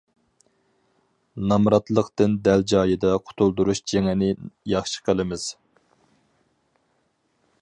نامراتلىقتىن دەل جايىدا قۇتۇلدۇرۇش جېڭىنى ياخشى قىلىمىز.